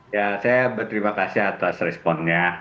ya saya berterima kasih atas responnya